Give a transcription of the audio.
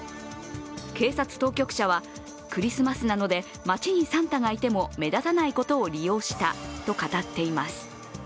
警察当局者は、クリスマスなので、街にサンタがいても目立たないことを利用したと語っています。